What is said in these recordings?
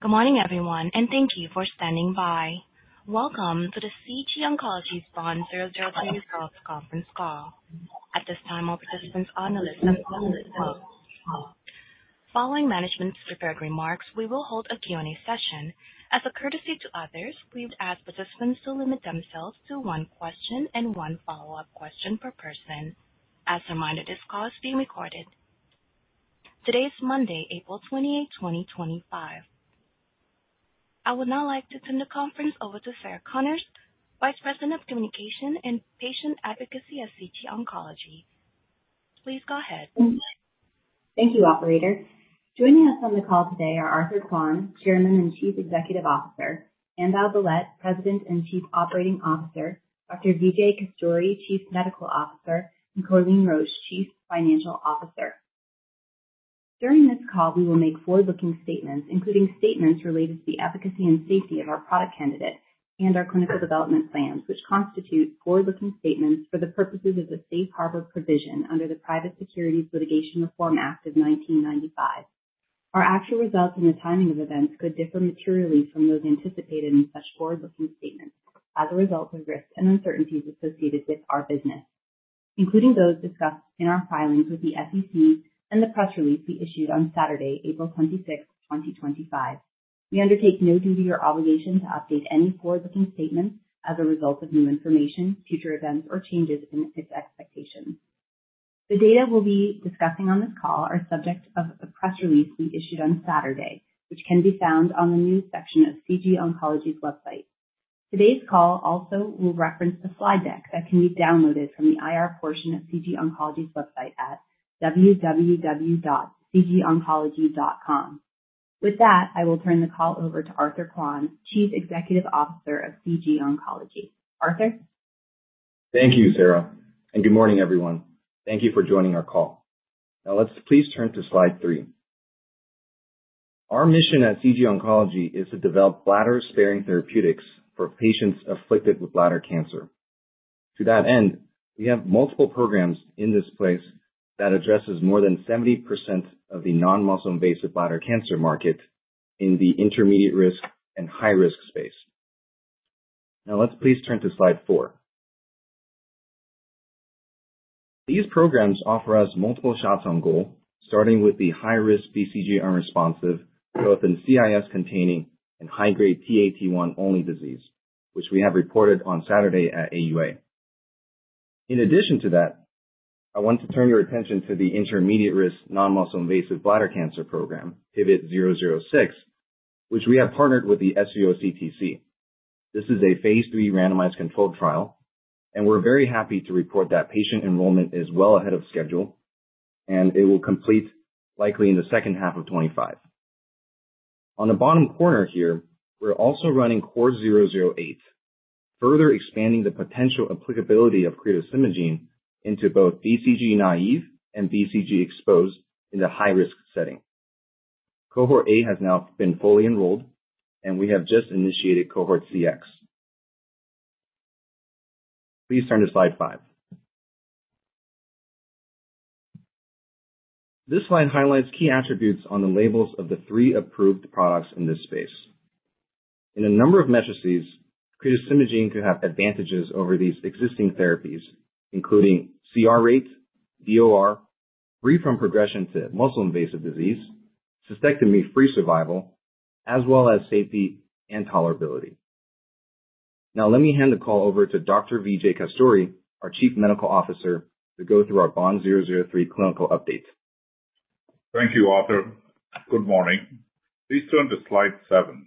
Good morning, everyone, and thank you for standing by. Welcome to the CG Oncology Sponsored Therapeutic Health Conference Call. At this time, all participants on the list have been disclosed. Following management's prepared remarks, we will hold a Q&A session. As a courtesy to others, we would ask participants to limit themselves to one question and one follow-up question per person. As a reminder, this call is being recorded. Today is Monday, April 28, 2025. I would now like to turn the conference over to Sarah Connors, Vice President of Communication and Patient Advocacy at CG Oncology. Please go ahead. Thank you, Operator. Joining us on the call today are Arthur Kuan, Chairman and Chief Executive Officer; Ambaw Bellette, President and Chief Operating Officer; Dr. Vijay Kasturi, Chief Medical Officer; and Corleen Roche, Chief Financial Officer. During this call, we will make forward-looking statements, including statements related to the efficacy and safety of our product candidate and our clinical development plans, which constitute forward-looking statements for the purposes of the Safe Harbor Provision under the Private Securities Litigation Reform Act of 1995. Our actual results and the timing of events could differ materially from those anticipated in such forward-looking statements as a result of risks and uncertainties associated with our business, including those discussed in our filings with the SEC and the press release we issued on Saturday, April 26, 2025. We undertake no duty or obligation to update any forward-looking statements as a result of new information, future events, or changes in its expectations. The data we'll be discussing on this call are subject to the press release we issued on Saturday, which can be found on the news section of CG Oncology's website. Today's call also will reference the slide deck that can be downloaded from the IR portion of CG Oncology's website at www.cgoncology.com. With that, I will turn the call over to Arthur Kuan, Chief Executive Officer of CG Oncology. Arthur? Thank you, Sarah, and good morning, everyone. Thank you for joining our call. Now, let's please turn to slide three. Our mission at CG Oncology is to develop bladder-sparing therapeutics for patients afflicted with bladder cancer. To that end, we have multiple programs in this place that address more than 70% of the non-muscle-invasive bladder cancer market in the intermediate-risk and high-risk space. Now, let's please turn to slide four. These programs offer us multiple shots on goal, starting with the high-risk BCG unresponsive, both in CIS-containing and high-grade Ta T1-only disease, which we have reported on Saturday at AUA. In addition to that, I want to turn your attention to the intermediate-risk non-muscle-invasive bladder cancer program, PIVOT-006, which we have partnered with the SUO-CTC. This is a phase 3 randomized controlled trial, and we're very happy to report that patient enrollment is well ahead of schedule, and it will complete likely in the second half of 2025. On the bottom corner here, we're also running CORE-008, further expanding the potential applicability of cretostimogene into both BCG naive and BCG exposed in the high-risk setting. Cohort A has now been fully enrolled, and we have just initiated Cohort CX. Please turn to slide five. This slide highlights key attributes on the labels of the three approved products in this space. In a number of metrics, cretostimogene could have advantages over these existing therapies, including CR rate, DOR, free from progression to muscle-invasive disease, cystectomy-free survival, as well as safety and tolerability. Now, let me hand the call over to Dr. Vijay Kasturi, our Chief Medical Officer, to go through our BOND-003 clinical update. Thank you, Arthur. Good morning. Please turn to slide seven.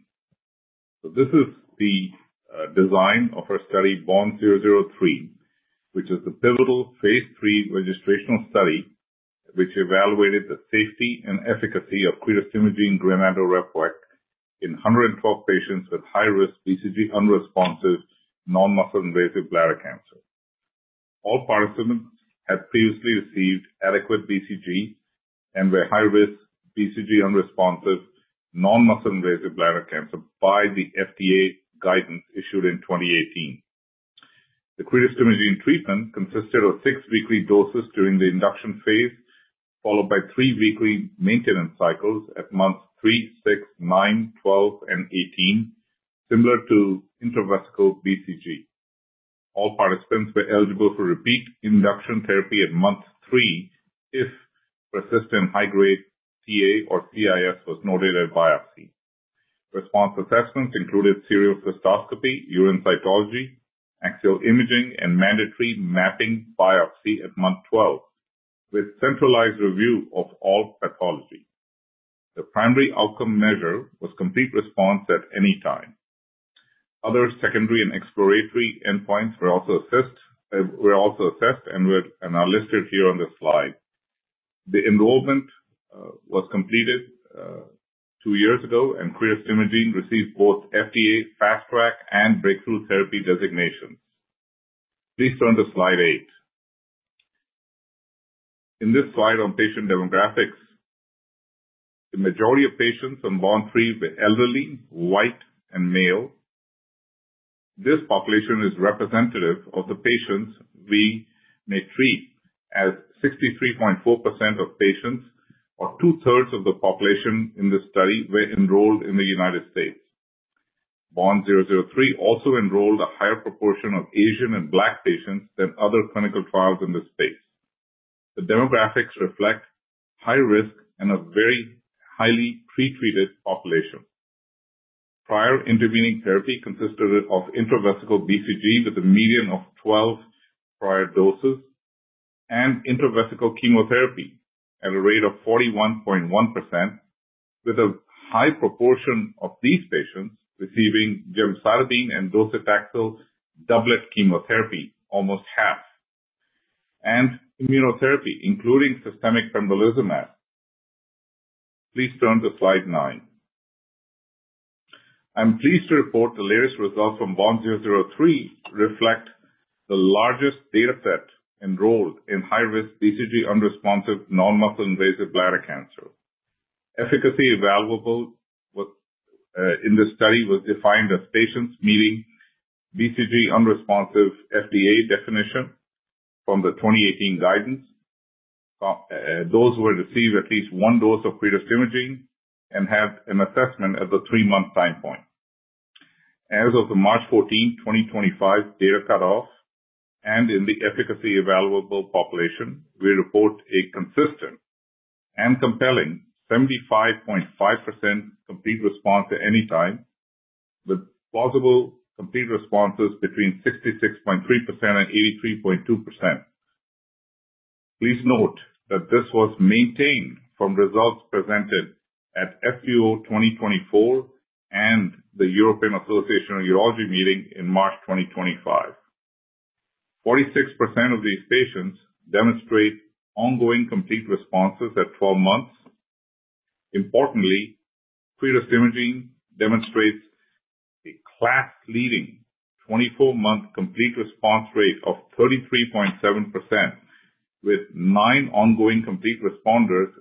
This is the design of our study, BOND-003, which is the pivotal phase three registrational study which evaluated the safety and efficacy of cretostimogene grenadenorepvec in 112 patients with high-risk BCG-unresponsive non-muscle-invasive bladder cancer. All participants had previously received adequate BCG and were high-risk BCG-unresponsive non-muscle-invasive bladder cancer by the FDA guidance issued in 2018. The cretostimogene treatment consisted of six weekly doses during the induction phase, followed by three weekly maintenance cycles at months three, six, nine, twelve, and eighteen, similar to intravesical BCG. All participants were eligible for repeat induction therapy at month three if persistent high-grade carcinoma or CIS was noted at biopsy. Response assessments included serial cystoscopy, urine cytology, axial imaging, and mandatory mapping biopsy at month twelve, with centralized review of all pathology. The primary outcome measure was complete response at any time. Other secondary and exploratory endpoints were also assessed and are listed here on the slide. The enrollment was completed two years ago, and cretostimogene received both FDA Fast Track and Breakthrough Therapy designations. Please turn to slide eight. In this slide on patient demographics, the majority of patients on BOND-003 were elderly, white, and male. This population is representative of the patients we may treat, as 63.4% of patients, or two-thirds of the population in this study, were enrolled in the United States. BOND-003 also enrolled a higher proportion of Asian and Black patients than other clinical trials in this space. The demographics reflect high risk and a very highly pre-treated population. Prior intervening therapy consisted of intravesical BCG with a median of 12 prior doses and intravesical chemotherapy at a rate of 41.1%, with a high proportion of these patients receiving gemcitabine and docetaxel doublet chemotherapy, almost half, and immunotherapy, including systemic pembrolizumab. Please turn to slide nine. I'm pleased to report the latest results from BOND-003 reflect the largest data set enrolled in high-risk BCG-unresponsive non-muscle-invasive bladder cancer. Efficacy evaluable in this study was defined as patients meeting BCG-unresponsive FDA definition from the 2018 guidance, those who had received at least one dose of cretostimogene and had an assessment at the three-month time point. As of March 14, 2025, data cut off, and in the efficacy evaluable population, we report a consistent and compelling 75.5% complete response at any time, with possible complete responses between 66.3% and 83.2%. Please note that this was maintained from results presented at SUO 2024 and the European Association of Urology meeting in March 2025. 46% of these patients demonstrate ongoing complete responses at 12 months. Importantly, cretostimogene demonstrates a class-leading 24-month complete response rate of 33.7%, with nine ongoing complete responders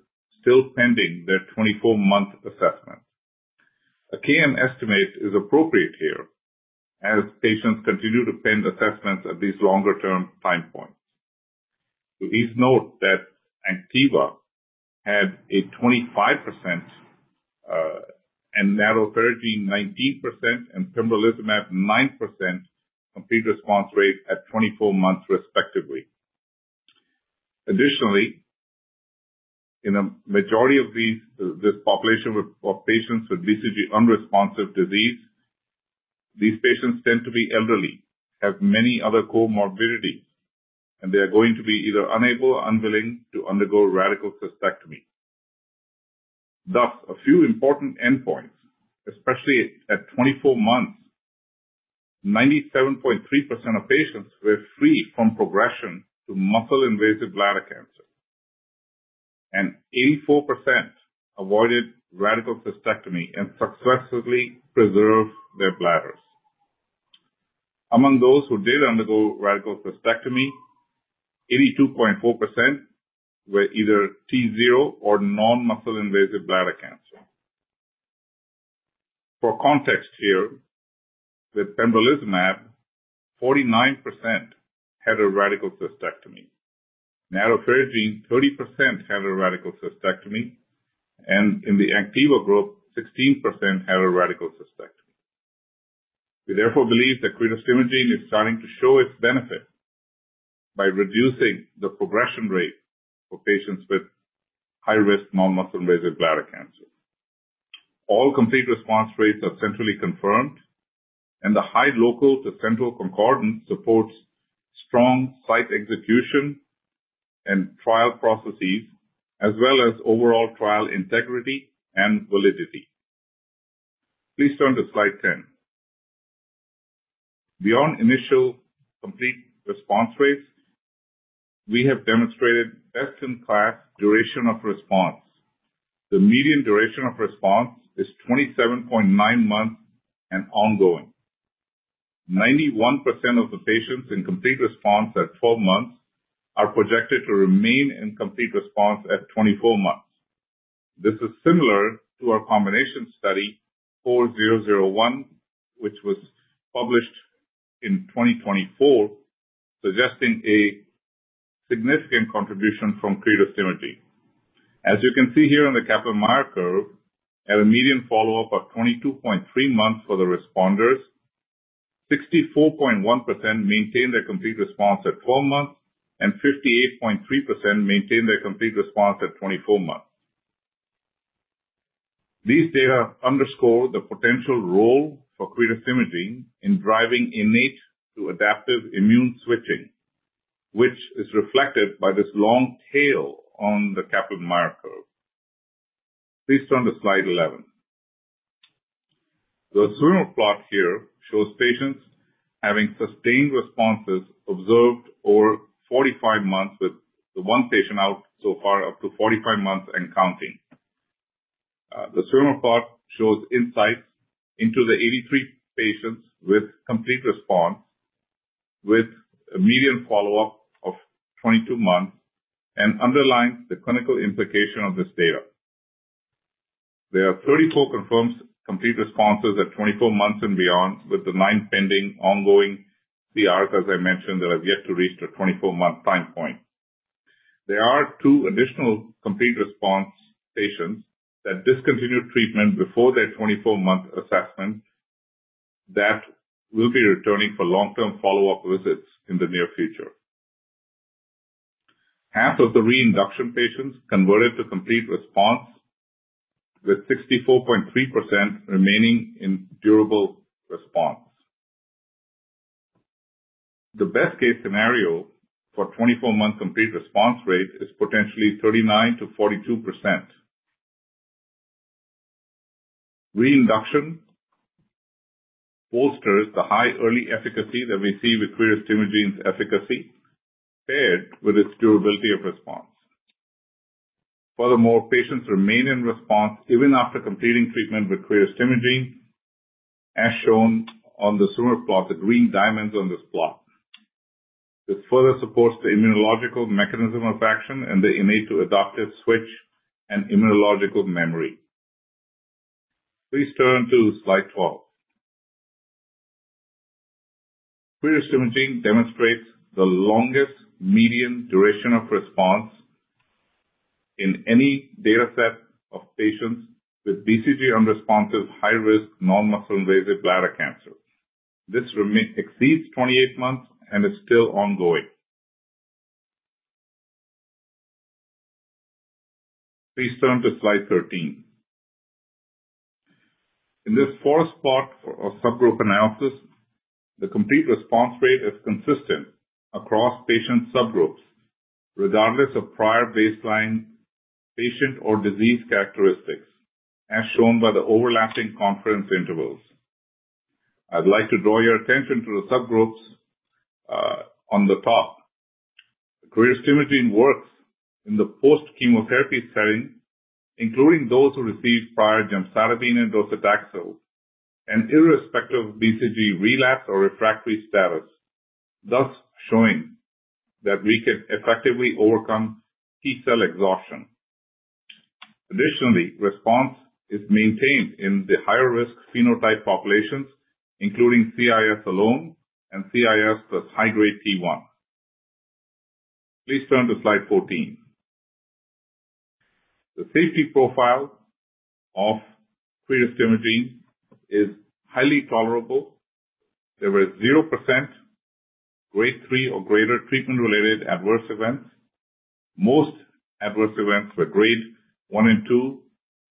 still pending their 24-month assessment. A KM estimate is appropriate here, as patients continue to pend assessments at these longer-term time points. Please note that Adstiladrin had a 25% and nadofaragene firadenovec 19% and pembrolizumab 9% complete response rate at 24 months, respectively. Additionally, in a majority of this population of patients with BCG unresponsive disease, these patients tend to be elderly, have many other comorbidities, and they are going to be either unable or unwilling to undergo radical cystectomy. Thus, a few important endpoints, especially at 24 months, 97.3% of patients were free from progression to muscle-invasive bladder cancer, and 84% avoided radical cystectomy and successfully preserved their bladders. Among those who did undergo radical cystectomy, 82.4% were either T0 or non-muscle-invasive bladder cancer. For context here, with pembrolizumab, 49% had a radical cystectomy; nadofaragene firadenovec, 30% had a radical cystectomy; and in the Adstiladrin group, 16% had a radical cystectomy. We therefore believe that cretostimogene is starting to show its benefit by reducing the progression rate for patients with high-risk non-muscle-invasive bladder cancer. All complete response rates are centrally confirmed, and the high local to central concordance supports strong site execution and trial processes, as well as overall trial integrity and validity. Please turn to slide ten. Beyond initial complete response rates, we have demonstrated best-in-class duration of response. The median duration of response is 27.9 months and ongoing. 91% of the patients in complete response at 12 months are projected to remain in complete response at 24 months. This is similar to our combination study CORE-001, which was published in 2024, suggesting a significant contribution from cretostimogene. As you can see here in the Kaplan-Meier curve, at a median follow-up of 22.3 months for the responders, 64.1% maintained their complete response at 12 months, and 58.3% maintained their complete response at 24 months. These data underscore the potential role for cretostimogene in driving innate to adaptive immune switching, which is reflected by this long tail on the Kaplan-Meier curve. Please turn to slide eleven. The swimming plot here shows patients having sustained responses observed over 45 months, with the one patient out so far up to 45 months and counting. The swimming plot shows insights into the 83 patients with complete response, with a median follow-up of 22 months, and underlines the clinical implication of this data. There are 34 confirmed complete responses at 24 months and beyond, with the nine pending ongoing CRs, as I mentioned, that have yet to reach the 24-month time point. There are two additional complete response patients that discontinued treatment before their 24-month assessment that will be returning for long-term follow-up visits in the near future. Half of the reinduction patients converted to complete response, with 64.3% remaining in durable response. The best-case scenario for 24-month complete response rate is potentially 39-42%. Reinduction bolsters the high early efficacy that we see with cretostimogene's efficacy, paired with its durability of response. Furthermore, patients remain in response even after completing treatment with cretostimogene, as shown on the swimming plot, the green diamonds on this plot. This further supports the immunological mechanism of action and the innate to adaptive switch and immunological memory. Please turn to slide twelve. Cretostimogene demonstrates the longest median duration of response in any data set of patients with BCG unresponsive high-risk non-muscle-invasive bladder cancer. This exceeds 28 months and is still ongoing. Please turn to slide thirteen. In this fourth part of subgroup analysis, the complete response rate is consistent across patient subgroups, regardless of prior baseline patient or disease characteristics, as shown by the overlapping confidence intervals. I'd like to draw your attention to the subgroups on the top. Cretostimogene works in the post-chemotherapy setting, including those who received prior gemcitabine and docetaxel, and irrespective of BCG relapse or refractory status, thus showing that we can effectively overcome T cell exhaustion. Additionally, response is maintained in the higher-risk phenotype populations, including CIS alone and CIS plus high-grade T1. Please turn to slide fourteen. The safety profile of cretostimogene is highly tolerable. There were 0% grade three or greater treatment-related adverse events. Most adverse events were grade one and two,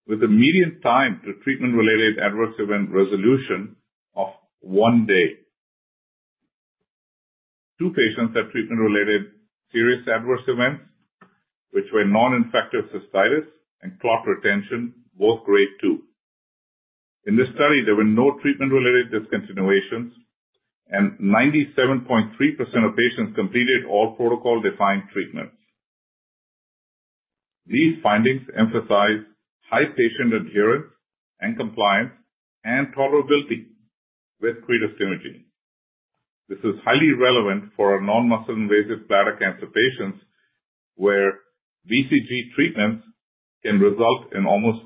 with a median time to treatment-related adverse event resolution of one day. Two patients had treatment-related serious adverse events, which were non-infective cystitis and clot retention, both grade two. In this study, there were no treatment-related discontinuations, and 97.3% of patients completed all protocol-defined treatments. These findings emphasize high patient adherence and compliance and tolerability with cretostimogene. This is highly relevant for non-muscle-invasive bladder cancer patients, where BCG treatments can result in almost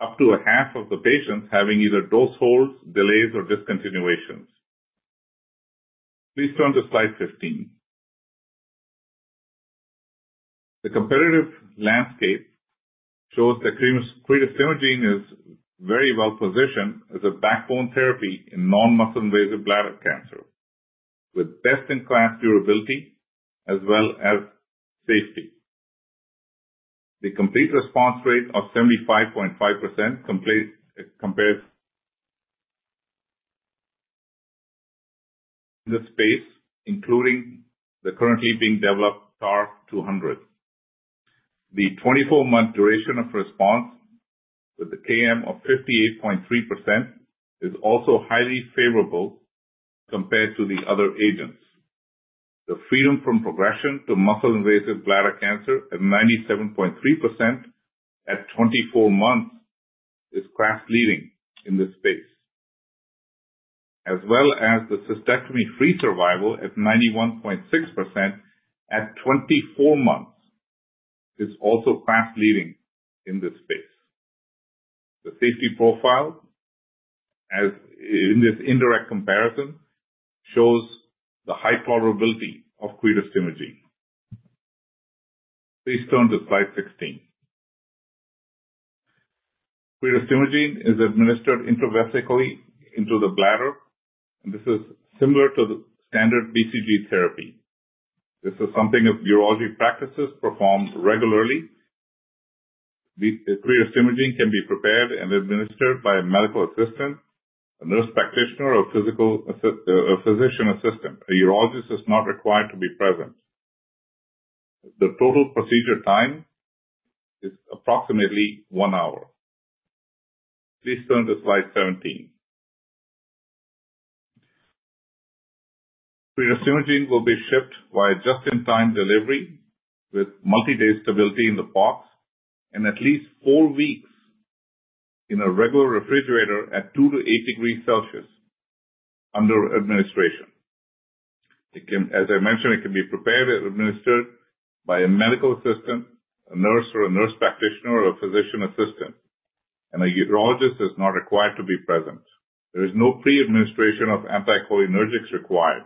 up to half of the patients having either dose holds, delays, or discontinuations. Please turn to slide fifteen. The competitive landscape shows that cretostimogene is very well-positioned as a backbone therapy in non-muscle-invasive bladder cancer, with best-in-class durability as well as safety. The complete response rate of 75.5% compares in this space, including the currently being developed TAR-200. The 24-month duration of response, with a KM of 58.3%, is also highly favorable compared to the other agents. The freedom from progression to muscle-invasive bladder cancer at 97.3% at 24 months is class-leading in this space, as well as the cystectomy-free survival at 91.6% at 24 months is also class-leading in this space. The safety profile, as in this indirect comparison, shows the high tolerability of cretostimogene. Please turn to slide sixteen. Cretostimogene is administered intravesically into the bladder, and this is similar to standard BCG therapy. This is something that urology practices perform regularly. Cretostimogene can be prepared and administered by a medical assistant, a nurse practitioner, or a physician assistant. A urologist is not required to be present. The total procedure time is approximately one hour. Please turn to slide seventeen. Cretostimogene will be shipped via just-in-time delivery, with multi-day stability in the box, and at least four weeks in a regular refrigerator at two to eight degrees Celsius under administration. As I mentioned, it can be prepared and administered by a medical assistant, a nurse, or a nurse practitioner, or a physician assistant, and a urologist is not required to be present. There is no pre-administration of anticholinergics required.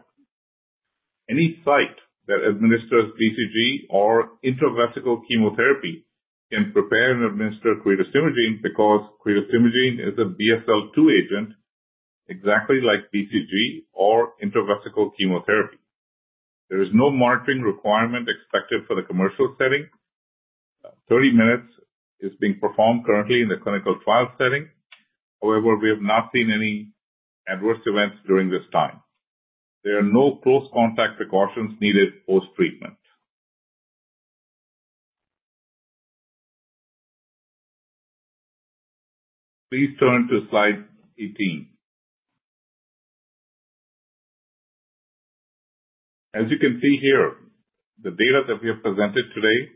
Any site that administers BCG or intravesical chemotherapy can prepare and administer cretostimogene because cretostimogene is a BSL-2 agent, exactly like BCG or intravesical chemotherapy. There is no monitoring requirement expected for the commercial setting. Thirty minutes is being performed currently in the clinical trial setting. However, we have not seen any adverse events during this time. There are no close contact precautions needed post-treatment. Please turn to slide eighteen. As you can see here, the data that we have presented today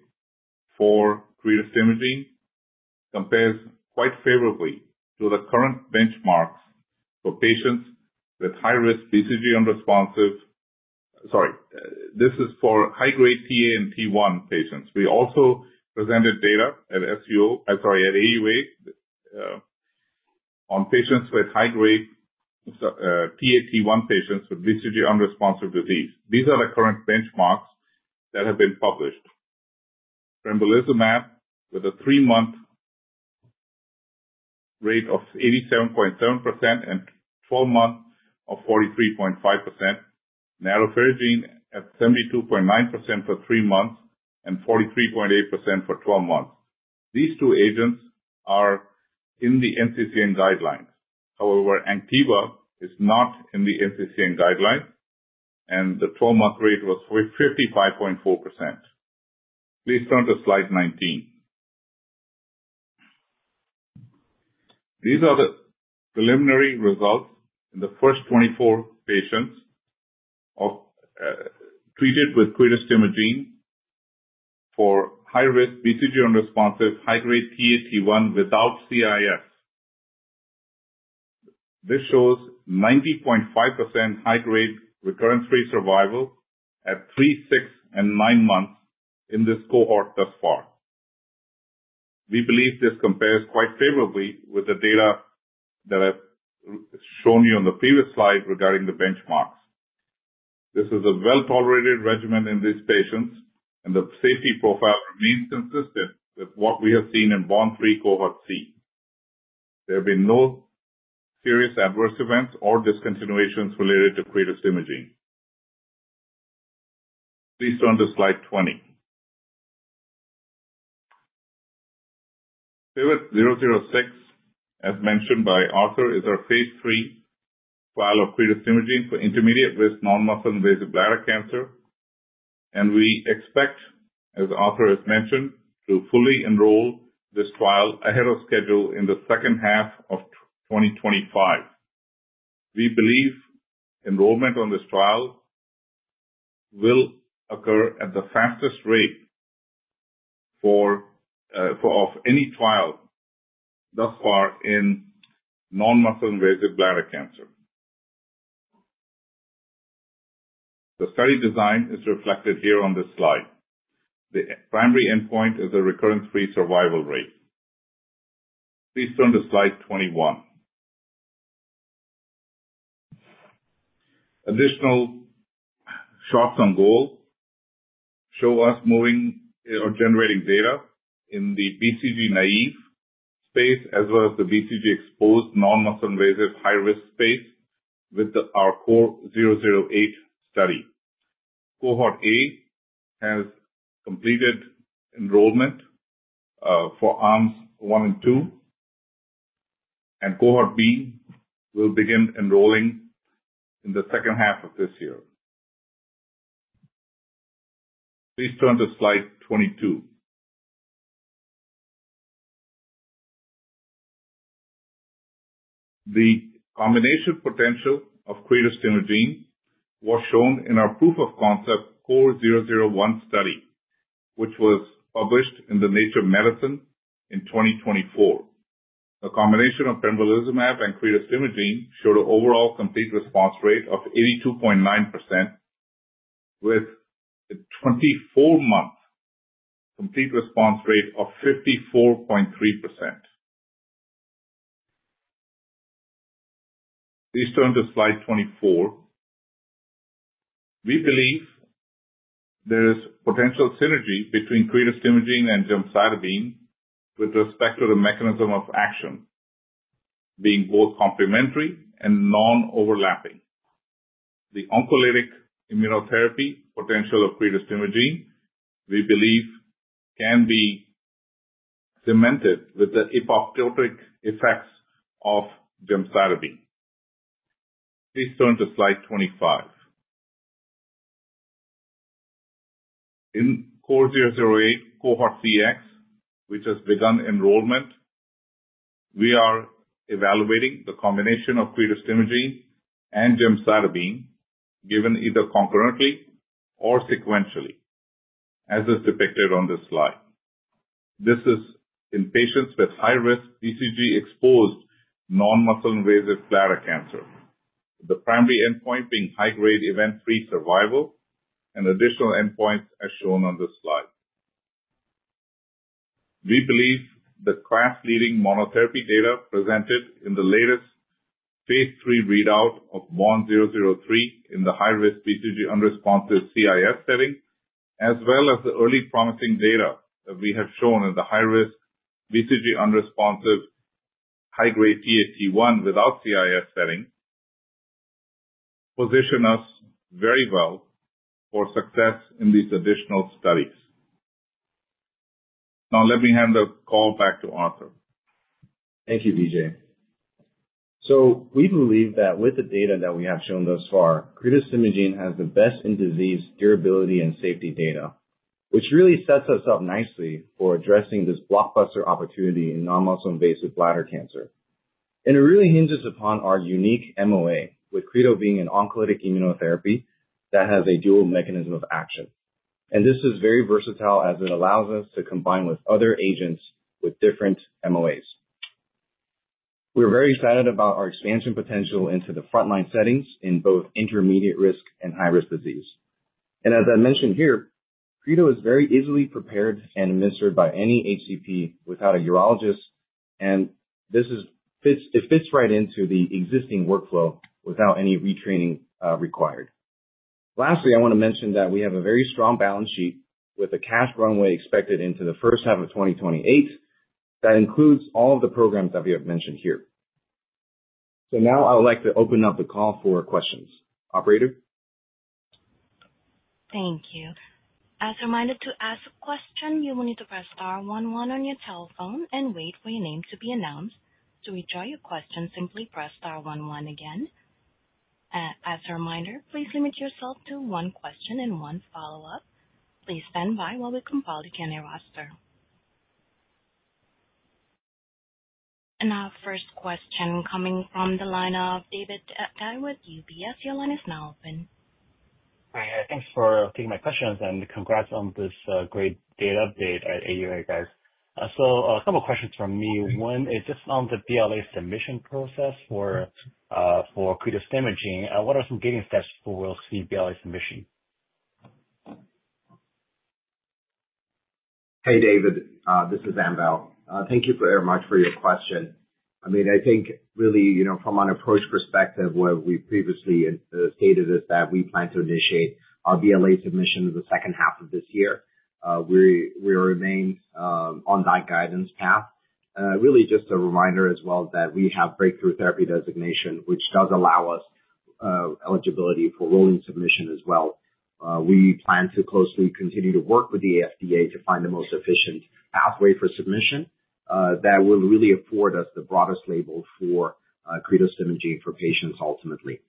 for cretostimogene compares quite favorably to the current benchmarks for patients with high-risk BCG unresponsive—sorry, this is for high-grade Ta and T1 patients. We also presented data at AUA on patients with high-grade Ta T1 patients with BCG unresponsive disease. These are the current benchmarks that have been published. Pembrolizumab with a three-month rate of 87.7% and 12 months of 43.5% firadenovec at 72.9% for three months and 43.8% for 12 months. These two agents are in the NCCN guidelines. However, Adstiladrin is not in the NCCN guidelines, and the 12-month rate was 55.4%. Please turn to slide nineteen. These are the preliminary results in the first 24 patients treated with cretostimogene for high-risk BCG-unresponsive high-grade Ta T1 without CIS. This shows 90.5% high-grade recurrence-free survival at three, six, and nine months in this cohort thus far. We believe this compares quite favorably with the data that I've shown you on the previous slide regarding the benchmarks. This is a well-tolerated regimen in these patients, and the safety profile remains consistent with what we have seen in BOND-003 Cohort C. There have been no serious adverse events or discontinuations related to cretostimogene. Please turn to slide twenty. PIVOT-006, as mentioned by Arthur, is our Phase 3 trial of cretostimogene for intermediate-risk non-muscle-invasive bladder cancer, and we expect, as Arthur has mentioned, to fully enroll this trial ahead of schedule in the second half of 2025. We believe enrollment on this trial will occur at the fastest rate of any trial thus far in non-muscle-invasive bladder cancer. The study design is reflected here on this slide. The primary endpoint is the recurrence-free survival rate. Please turn to slide twenty-one. Additional shots on goal show us moving or generating data in the BCG-naive space, as well as the BCG-exposed non-muscle-invasive high-risk space with our CORE-008 study. Cohort A has completed enrollment for arms one and two, and Cohort B will begin enrolling in the second half of this year. Please turn to slide twenty-two. The combination potential of cretostimogene was shown in our proof of concept CORE-001 study, which was published in Nature Medicine in 2024. The combination of pembrolizumab and cretostimogene showed an overall complete response rate of 82.9%, with a 24-month complete response rate of 54.3%. Please turn to slide twenty-four. We believe there is potential synergy between cretostimogene and gemcitabine, with respect to the mechanism of action being both complementary and non-overlapping. The oncolytic immunotherapy potential of cretostimogene we believe can be cemented with the apoptotic effects of gemcitabine. Please turn to slide twenty-five. In CORE-008 Cohort CX, which has begun enrollment, we are evaluating the combination of cretostimogene and gemcitabine given either concurrently or sequentially, as is depicted on this slide. This is in patients with high-risk BCG-exposed non-muscle-invasive bladder cancer, with the primary endpoint being high-grade event-free survival and additional endpoints as shown on this slide. We believe the class-leading monotherapy data presented in the latest phase three readout of BOND-003 in the high-risk BCG-unresponsive CIS setting, as well as the early promising data that we have shown in the high-risk BCG-unresponsive high-grade Ta T1 without CIS setting, position us very well for success in these additional studies. Now, let me hand the call back to Arthur. Thank you, Vijay. We believe that with the data that we have shown thus far, cretostimogene has the best in disease durability and safety data, which really sets us up nicely for addressing this blockbuster opportunity in non-muscle-invasive bladder cancer. It really hinges upon our unique MOA, with Creto being an oncolytic immunotherapy that has a dual mechanism of action. This is very versatile as it allows us to combine with other agents with different MOAs. We're very excited about our expansion potential into the frontline settings in both intermediate-risk and high-risk disease. As I mentioned here, Creto is very easily prepared and administered by any HCP without a urologist, and this fits right into the existing workflow without any retraining required. Lastly, I want to mention that we have a very strong balance sheet with a cash runway expected into the first half of 2028 that includes all of the programs that we have mentioned here. Now I would like to open up the call for questions. Operator. Thank you. As a reminder to ask a question, you will need to press star one one on your telephone and wait for your name to be announced. To withdraw your question, simply press star one one again. As a reminder, please limit yourself to one question and one follow-up. Please stand by while we compile the candidate roster. Our first question coming from the line of David Allemann with UBS. Your line is now open. Hi, thanks for taking my questions and congrats on this great data update at AUA, guys. A couple of questions from me. One, it's just on the BLA submission process for cretostimogene and what are some gating steps for the BLA submission? Hey, David, this is Ambaw. Thank you very much for your question. I mean, I think really from an approach perspective, what we previously stated is that we plan to initiate our BLA submission in the second half of this year. We remain on that guidance path. Really just a reminder as well that we have Breakthrough Therapy Designation, which does allow us eligibility for rolling submission as well. We plan to closely continue to work with the FDA to find the most efficient pathway for submission that will really afford us the broadest label for cretostimogene for patients ultimately.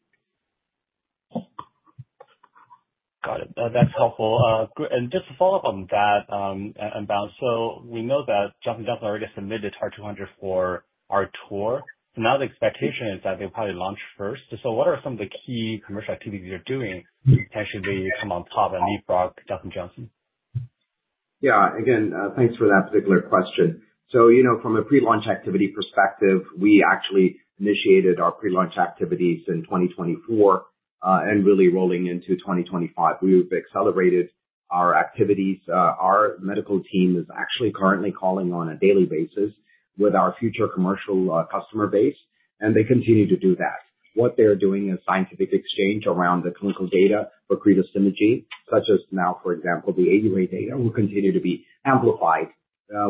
Got it. That's helpful. Just to follow up on that, Ambaw, we know that Johnson & Johnson already submitted TAR-200 for RTOR. Now the expectation is that they'll probably launch first. What are some of the key commercial activities you're doing to potentially come on top and leapfrog Johnson & Johnson? Yeah, again, thanks for that particular question. From a pre-launch activity perspective, we actually initiated our pre-launch activities in 2024 and really rolling into 2025. We've accelerated our activities. Our medical team is actually currently calling on a daily basis with our future commercial customer base, and they continue to do that. What they're doing is scientific exchange around the clinical data for cretostimogene, such as now, for example, the AUA data will continue to be amplified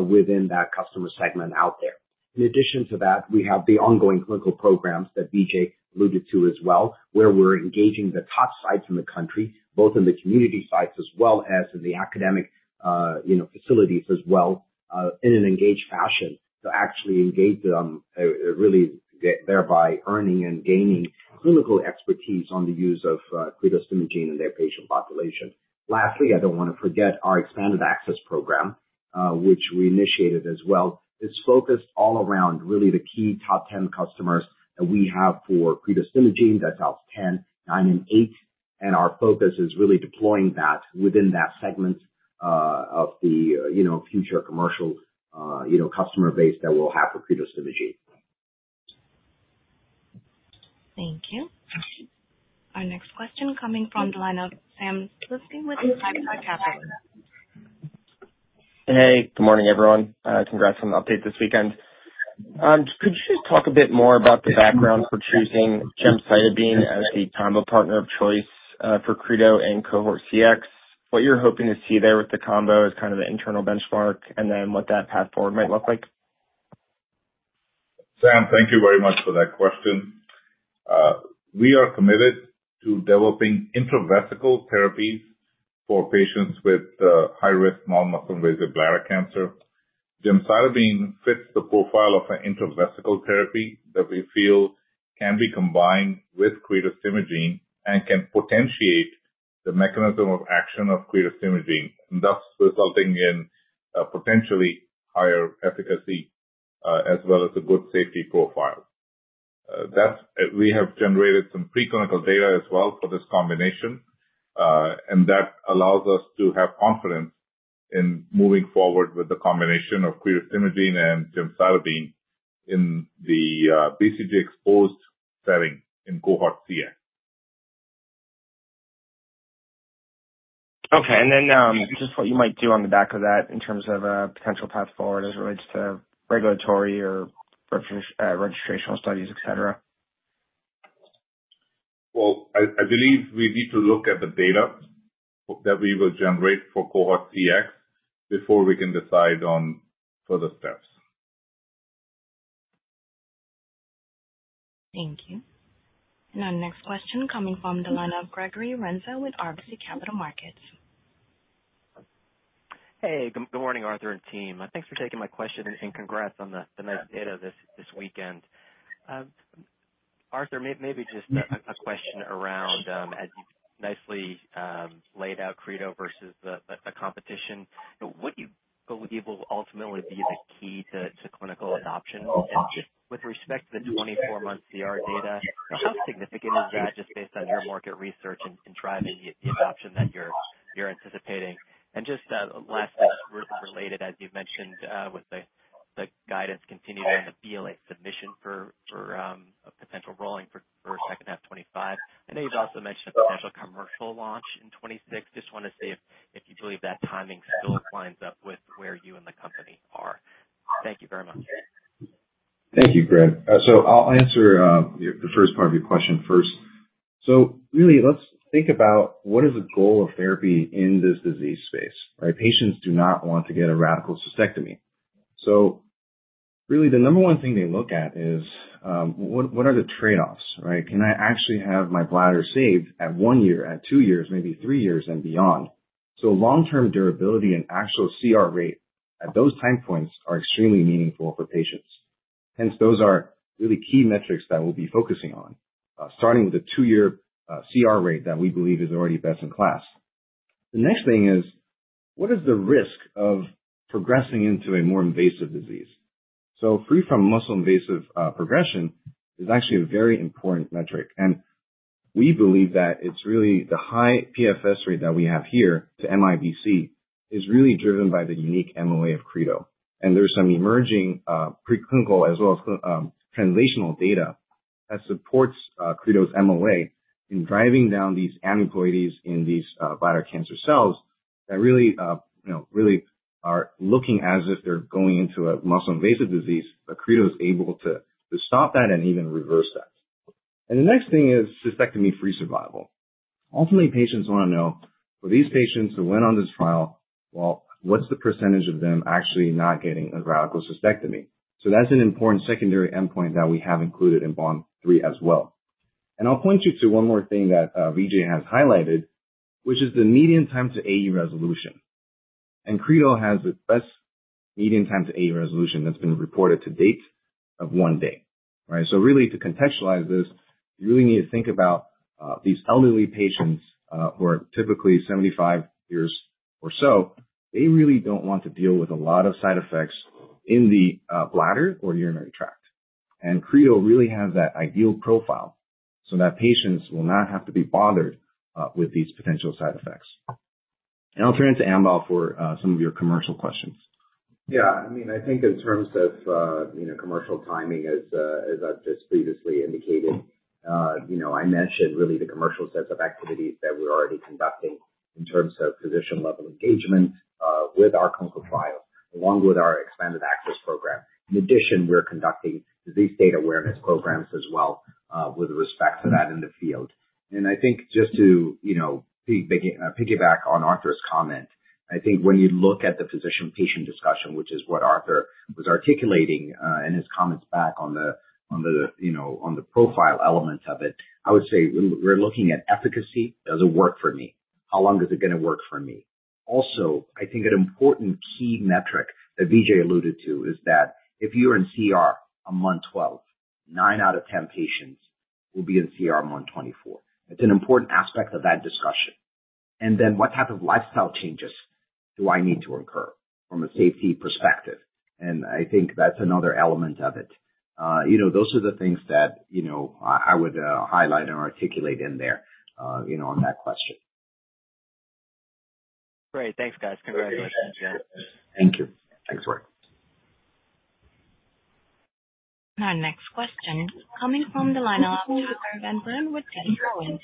within that customer segment out there. In addition to that, we have the ongoing clinical programs that Vijay alluded to as well, where we're engaging the top sites in the country, both in the community sites as well as in the academic facilities as well in an engaged fashion to actually engage them, really thereby earning and gaining clinical expertise on the use of cretostimogene in their patient population. Lastly, I don't want to forget our expanded access program, which we initiated as well. It's focused all around really the key top 10 customers that we have for cretostimogene, that's out 10, nine, and eight, and our focus is really deploying that within that segment of the future commercial customer base that we'll have for cretostimogene. Thank you. Our next question coming from the line of Sam Slutsky with LifeSci Capital. Hey, good morning, everyone. Congrats on the update this weekend. Could you just talk a bit more about the background for choosing gemcitabine as the combo partner of choice for Credo and Cohort CX? What you're hoping to see there with the combo as kind of an internal benchmark and then what that path forward might look like? Sam, thank you very much for that question. We are committed to developing intravesical therapies for patients with high-risk non-muscle-invasive bladder cancer. Gemcitabine fits the profile of an intravesical therapy that we feel can be combined with cretostimogene and can potentiate the mechanism of action of cretostimogene and thus resulting in potentially higher efficacy as well as a good safety profile. We have generated some pre-clinical data as well for this combination, and that allows us to have confidence in moving forward with the combination of cretostimogene and gemcitabine in the BCG exposed setting in Cohort CX. Okay. Just what you might do on the back of that in terms of a potential path forward as it relates to regulatory or registration studies, etc.? I believe we need to look at the data that we will generate for Cohort CX before we can decide on further steps. Thank you. Our next question coming from the line of Gregory Renza with RBC Capital Markets. Hey, good morning, Arthur and team. Thanks for taking my question and congrats on the nice data this weekend. Arthur, maybe just a question around, as you've nicely laid out, Credo versus the competition, what do you believe will ultimately be the key to clinical adoption? With respect to the 24-month CR data, how significant is that just based on your market research and driving the adoption that you're anticipating? Just lastly, related, as you've mentioned, with the guidance continuing on the BLA submission for a potential rolling for second half 2025, I know you've also mentioned a potential commercial launch in 2026. Just want to see if you believe that timing still lines up with where you and the company are. Thank you very much. Thank you, Greg. I'll answer the first part of your question first. Really, let's think about what is the goal of therapy in this disease space, right? Patients do not want to get a radical cystectomy. Really, the number one thing they look at is what are the trade-offs, right? Can I actually have my bladder saved at one year, at two years, maybe three years, and beyond? Long-term durability and actual CR rate at those time points are extremely meaningful for patients. Hence, those are really key metrics that we'll be focusing on, starting with a two-year CR rate that we believe is already best in class. The next thing is, what is the risk of progressing into a more invasive disease? Free from muscle-invasive progression is actually a very important metric. We believe that it's really the high PFS rate that we have here to MIBC is really driven by the unique MOA of Credo. There is some emerging preclinical as well as translational data that supports Credo's MOA in driving down these aneuploidies in these bladder cancer cells that really are looking as if they're going into a muscle-invasive disease, but Credo is able to stop that and even reverse that. The next thing is cystectomy-free survival. Ultimately, patients want to know, for these patients who went on this trial, what's the percentage of them actually not getting a radical cystectomy? That is an important secondary endpoint that we have included in Bond 3 as well. I'll point you to one more thing that Vijay has highlighted, which is the median time to AE resolution. Credo has the best median time to AE resolution that's been reported to date of one day, right? To contextualize this, you really need to think about these elderly patients who are typically 75 years or so. They really don't want to deal with a lot of side effects in the bladder or urinary tract. And Credo really has that ideal profile so that patients will not have to be bothered with these potential side effects. I'll turn it to Ambaw for some of your commercial questions. Yeah. I mean, I think in terms of commercial timing, as I've just previously indicated, I mentioned really the commercial sets of activities that we're already conducting in terms of physician-level engagement with our clinical trials along with our expanded access program. In addition, we're conducting disease state awareness programs as well with respect to that in the field. I think just to piggyback on Arthur's comment, I think when you look at the physician-patient discussion, which is what Arthur was articulating in his comments back on the profile elements of it, I would say we're looking at efficacy, does it work for me, how long is it going to work for me. Also, I think an important key metric that Vijay alluded to is that if you're in CR on month 12, nine out of 10 patients will be in CR month 24. It's an important aspect of that discussion. What type of lifestyle changes do I need to incur from a safety perspective? I think that's another element of it. Those are the things that I would highlight and articulate in there on that question. Great. Thanks, guys. Congratulations, guys. Thank you. Thanks, Greg. Our next question coming from the line of Tyler Van Buren, with TD Cowen.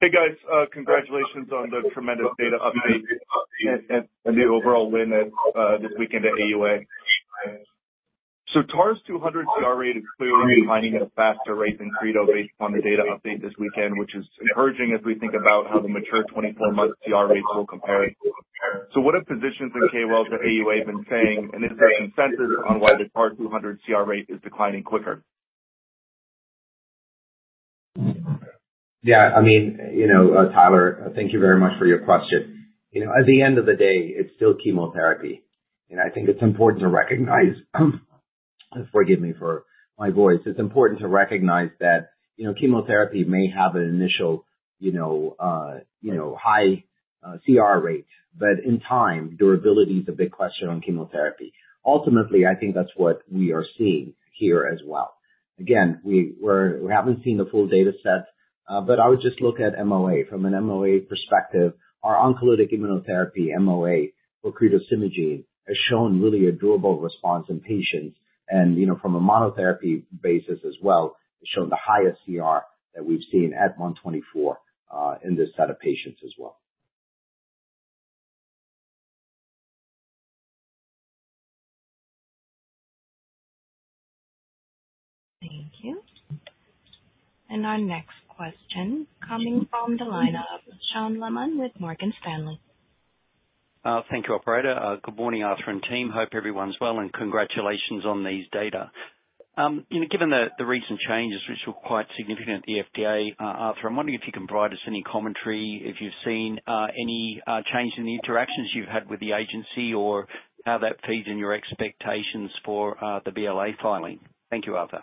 Hey, guys. Congratulations on the tremendous data update and the overall win this weekend at AUA. TAR-200's CR rate is clearly declining at a faster rate than Credo based on the data update this weekend, which is encouraging as we think about how the mature 24-month CR rates will compare. What have physicians and KOLs at AUA been saying, and is there consensus on why the TAR-200 CR rate is declining quicker? Yeah. I mean, Tyler, thank you very much for your question. At the end of the day, it's still chemotherapy. I think it's important to recognize—forgive me for my voice—it's important to recognize that chemotherapy may have an initial high CR rate, but in time, durability is a big question on chemotherapy. Ultimately, I think that's what we are seeing here as well. Again, we haven't seen the full data set, but I would just look at MOA. From an MOA perspective, our oncolytic immunotherapy MOA for cretostimogene has shown really a durable response in patients. From a monotherapy basis as well, it's shown the highest CR that we've seen at month 24 in this set of patients as well. Thank you. Our next question coming from the line of Sean Laaman with Morgan Stanley. Thank you, Alberta. Good morning, Arthur and team. Hope everyone's well and congratulations on these data. Given the recent changes, which were quite significant at the FDA, Arthur, I'm wondering if you can provide us any commentary if you've seen any change in the interactions you've had with the agency or how that feeds in your expectations for the BLA filing. Thank you, Arthur.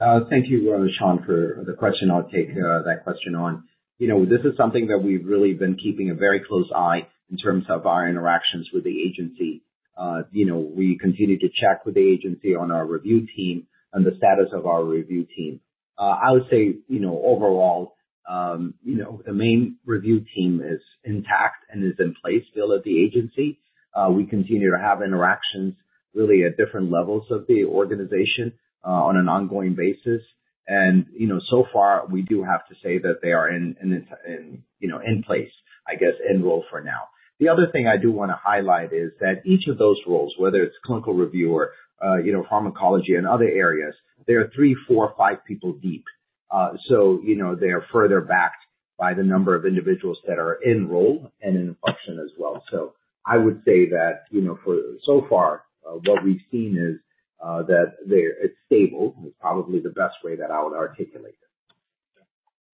Thank you, Sean, for the question. I'll take that question on. This is something that we've really been keeping a very close eye in terms of our interactions with the agency. We continue to check with the agency on our review team and the status of our review team. I would say overall, the main review team is intact and is in place still at the agency. We continue to have interactions really at different levels of the organization on an ongoing basis. So far, we do have to say that they are in place, I guess, in role for now. The other thing I do want to highlight is that each of those roles, whether it's clinical review or pharmacology and other areas, they are three, four, five people deep. They are further backed by the number of individuals that are in role and in function as well. I would say that so far, what we've seen is that it's stable. It's probably the best way that I would articulate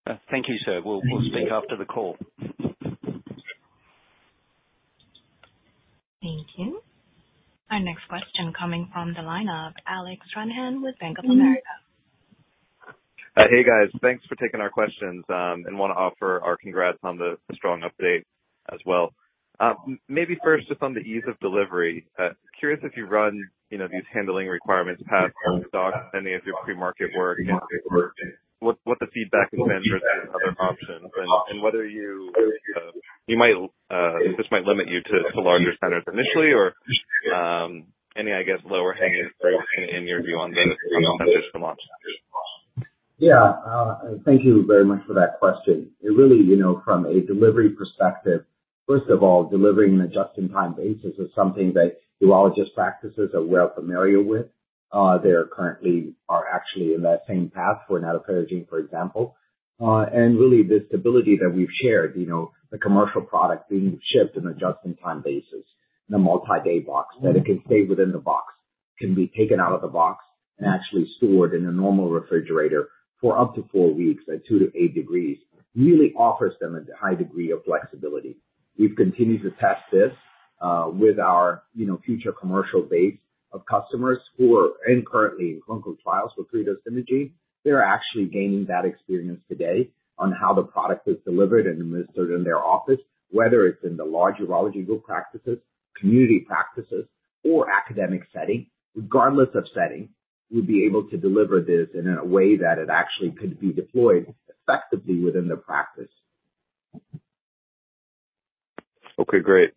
it. Thank you, sir. We'll speak after the call. Thank you. Our next question coming from the line of Alec Stranahan with Bank of America. Hey, guys. Thanks for taking our questions and want to offer our congrats on the strong update as well. Maybe first, just on the ease of delivery, curious if you run these handling requirements past any of your pre-market work and what the feedback has been versus other options and whether you might—this might limit you to larger centers initially or any, I guess, lower-hanging fruit in your view on the additional options. Yeah. Thank you very much for that question. Really, from a delivery perspective, first of all, delivering on a just-in-time basis is something that urologist practices are well familiar with. They currently are actually in that same path for another nadofaragene, for example. Really, the stability that we've shared, the commercial product being shipped on a just-in-time basis, the multi-day box, that it can stay within the box, can be taken out of the box and actually stored in a normal refrigerator for up to four weeks at two to eight degrees, really offers them a high degree of flexibility. We've continued to test this with our future commercial base of customers who are currently in clinical trials for cretostimogene. They're actually gaining that experience today on how the product is delivered and administered in their office, whether it's in the large urology practices, community practices, or academic setting. Regardless of setting, we'll be able to deliver this in a way that it actually could be deployed effectively within the practice. Okay. Great.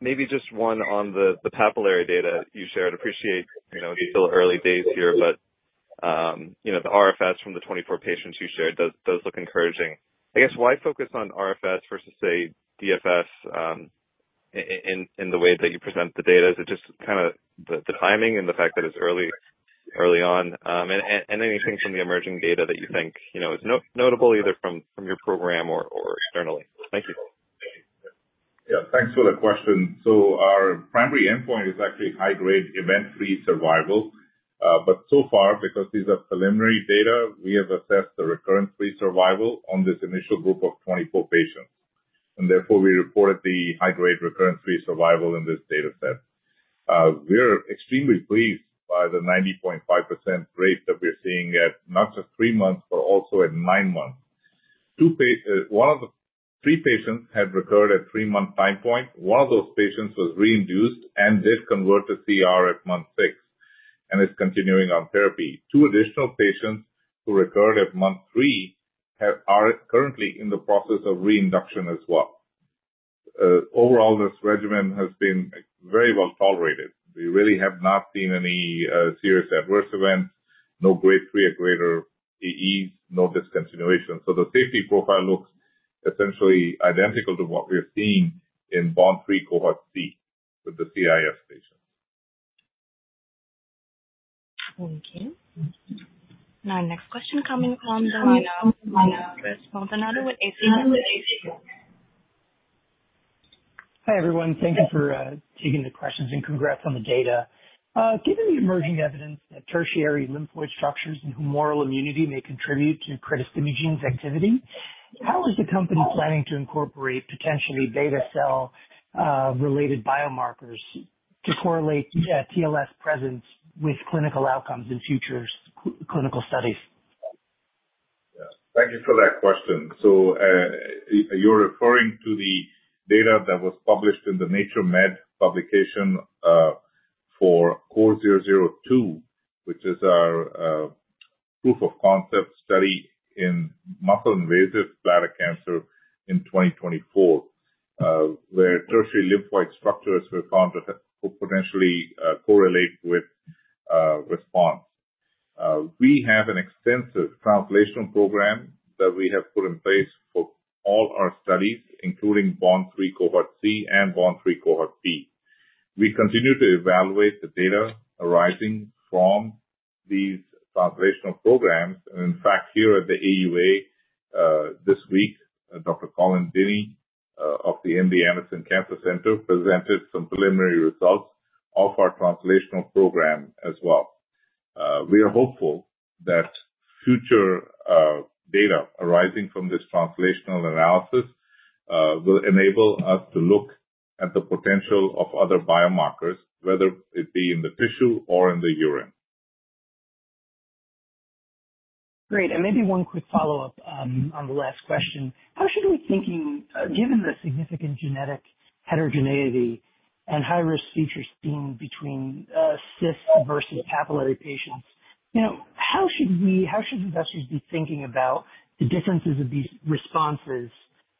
Maybe just one on the papillary data you shared. I appreciate it's still early days here, but the RFS from the 24 patients you shared, those look encouraging. I guess, why focus on RFS versus, say, DFS in the way that you present the data? Is it just kind of the timing and the fact that it's early on? Anything from the emerging data that you think is notable either from your program or externally? Thank you. Yeah. Thanks for the question. Our primary endpoint is actually high-grade event-free survival. So far, because these are preliminary data, we have assessed the recurrence-free survival on this initial group of 24 patients. Therefore, we reported the high-grade recurrence-free survival in this data set. We're extremely pleased by the 90.5% rate that we're seeing at not just three months, but also at nine months. One of the three patients had recurred at the three-month time point. One of those patients was re-induced and did convert to CR at month six, and is continuing on therapy. Two additional patients who recurred at month three are currently in the process of re-induction as well. Overall, this regimen has been very well tolerated. We really have not seen any serious adverse events, no Grade 3 or greater AEs, no discontinuation. The safety profile looks essentially identical to what we're seeing in BOND-003 Cohort C with the CIS patients. Thank you. Our next question coming from the line of Chris Maldonado with TBC. Hi, everyone. Thank you for taking the questions and congrats on the data. Given the emerging evidence that tertiary lymphoid structures and humoral immunity may contribute to cretostimogene's activity, how is the company planning to incorporate potentially B-cell-related biomarkers to correlate TLS presence with clinical outcomes in future clinical studies? Yeah. Thank you for that question. You are referring to the data that was published in the Nature Med publication for CORE-002, which is our proof of concept study in muscle-invasive bladder cancer in 2024, where tertiary lymphoid structures were found to potentially correlate with response. We have an extensive translational program that we have put in place for all our studies, including BOND-003 Cohort C and BOND-003 Cohort B. We continue to evaluate the data arising from these translational programs. In fact, here at the AUA this week, Dr. Colin Dinney of the MD Anderson Cancer Center presented some preliminary results of our translational program as well. We are hopeful that future data arising from this translational analysis will enable us to look at the potential of other biomarkers, whether it be in the tissue or in the urine. Great. Maybe one quick follow-up on the last question. How should we think, given the significant genetic heterogeneity and high-risk features seen between CIS versus papillary patients, how should investors be thinking about the differences of these responses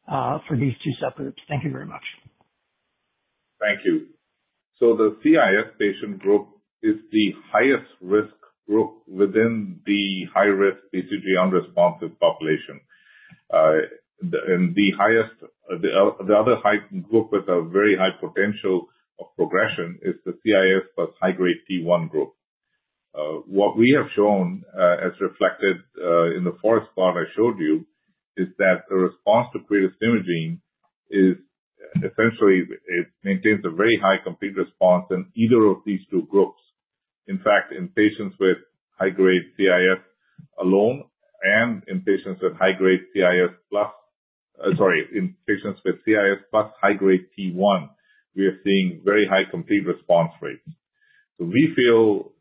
for these two subgroups? Thank you very much. Thank you. The CIS patient group is the highest risk group within the high-risk BCG unresponsive population. The other group with a very high potential of progression is the CIS plus high-grade T1 group. What we have shown, as reflected in the first part I showed you, is that the response to cretostimogene essentially maintains a very high complete response in either of these two groups. In fact, in patients with high-grade CIS alone and in patients with CIS plus high-grade T1, we are seeing very high complete response rates. We feel,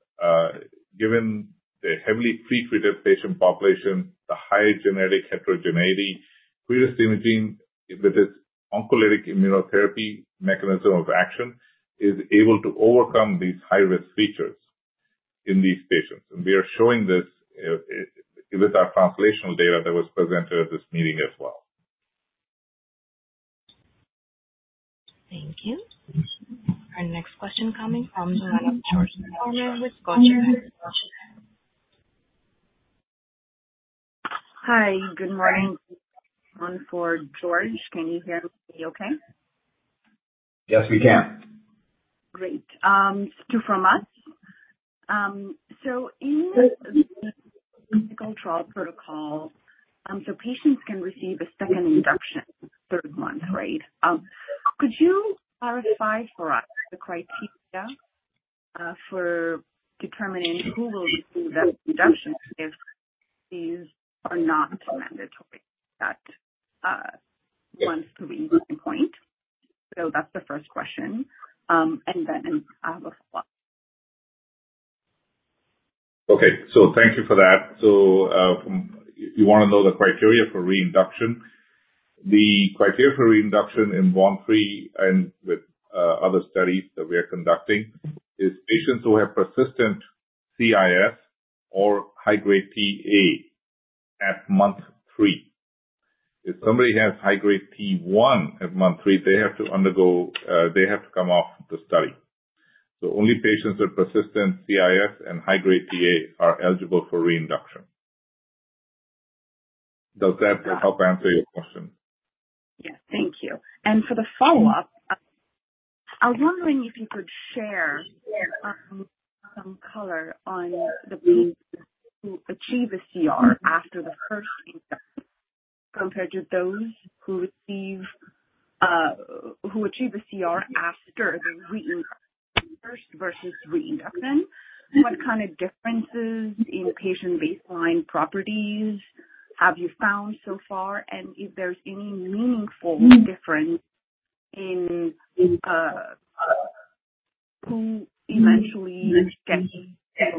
given the heavily pretreated patient population, the higher genetic heterogeneity, cretostimogene with its oncolytic immunotherapy mechanism of action is able to overcome these high-risk features in these patients. We are showing this with our translational data that was presented at this meeting as well. Thank you. Our next question coming from the line of George Saravelos with Deutsche Bank. Hi. Good morning. Sean for George. Can you hear me okay? Yes, we can. Great. Two from us. In the clinical trial protocol, patients can receive a second induction third month, right? Could you clarify for us the criteria for determining who will receive that induction if these are not mandatory at month three point? That is the first question. I have a follow-up. Thank you for that. You want to know the criteria for re-induction. The criteria for re-induction in BOND-003 and with other studies that we are conducting is patients who have persistent CIS or high-grade Ta at month three. If somebody has high-grade T1 at month three, they have to come off the study. Only patients with persistent CIS and high-grade Ta are eligible for re-induction. Does that help answer your question? Yes. Thank you. For the follow-up, I was wondering if you could share some color on the patients who achieve a CR after the first induction compared to those who achieve a CR after the first versus re-induction. What kind of differences in patient baseline properties have you found so far? If there's any meaningful difference in who eventually gets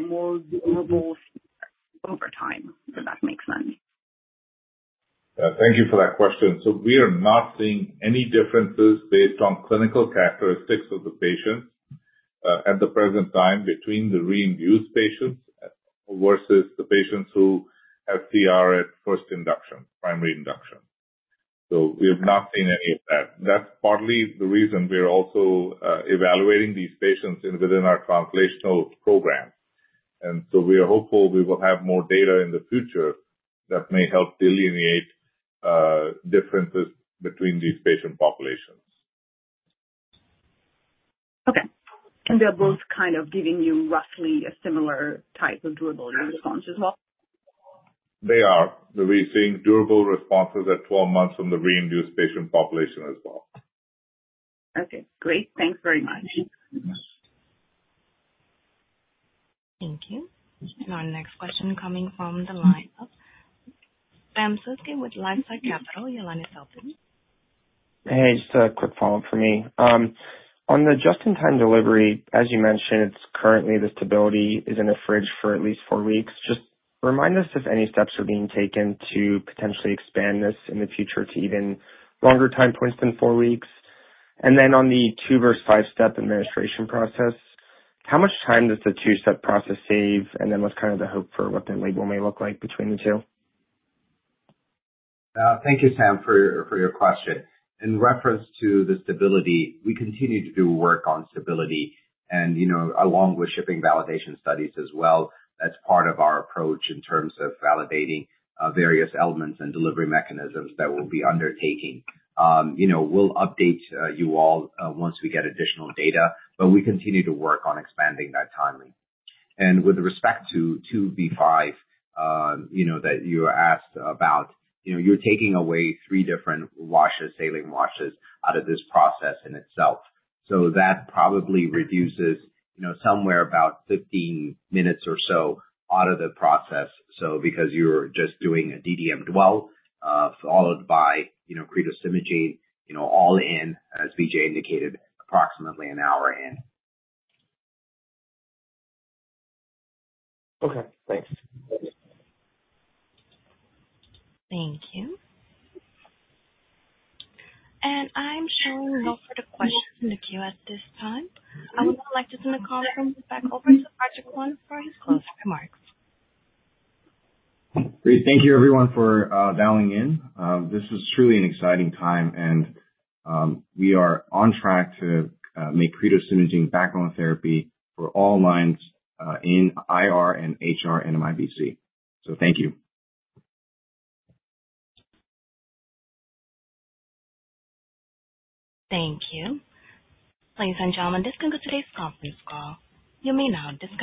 more durable CR over time, if that makes sense. Thank you for that question. We are not seeing any differences based on clinical characteristics of the patients at the present time between the re-induced patients versus the patients who have CR at first induction, primary induction. We have not seen any of that. That's partly the reason we're also evaluating these patients within our translational program. We are hopeful we will have more data in the future that may help delineate differences between these patient populations. Okay. They're both kind of giving you roughly a similar type of durability response as well? They are. We're seeing durable responses at 12 months from the re-induced patient population as well. Okay. Great. Thanks very much. Thank you. Our next question coming from the line of Sam Slutsky with LifeSci Capital. Your line is open. Hey. Just a quick follow-up for me. On the just-in-time delivery, as you mentioned, currently, the stability is in a fridge for at least four weeks. Just remind us if any steps are being taken to potentially expand this in the future to even longer time points than four weeks. On the two versus five-step administration process, how much time does the two-step process save, and what's kind of the hope for what the label may look like between the two? Thank you, Sam, for your question. In reference to the stability, we continue to do work on stability along with shipping validation studies as well. That is part of our approach in terms of validating various elements and delivery mechanisms that we will be undertaking. We will update you all once we get additional data, but we continue to work on expanding that timely. With respect to two vs 5 that you were asked about, you are taking away three different saline washes out of this process in itself. That probably reduces somewhere about 15 minutes or so out of the process because you are just doing a DDM dwell followed by cretostimogene all in, as Vijay indicated, approximately an hour in. Okay. Thanks. Thank you. I am showing no further questions in the queue at this time. I would now like to turn the call back over to Arthur Kuan for his closing remarks. Great. Thank you, everyone, for dialing in. This is truly an exciting time, and we are on track to make cretostimogene the imaging backbone therapy for all lines in IR and HR and MIBC. Thank you. Ladies and gentlemen, this concludes today's conference call. You may now disconnect.